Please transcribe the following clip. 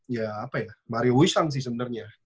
ya apa ya mario wusan sih sebenarnya